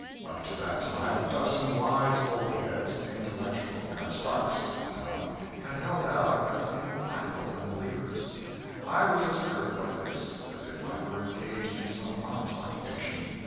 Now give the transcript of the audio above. Up to that time a dozen wise old heads, the intellectual aristocracy of the town, had held out, as implacable unbelievers. I was as hurt by this as if I were engaged in some honest occupation.